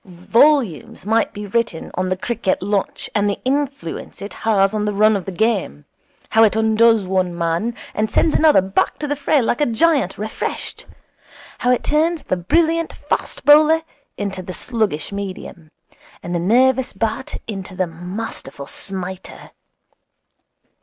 Volumes might be written on the cricket lunch and the influence it has on the run of the game; how it undoes one man, and sends another back to the fray like a giant refreshed; how it turns the brilliant fast bowler into the sluggish medium, and the nervous bat into the masterful smiter.